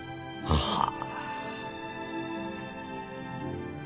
はあ。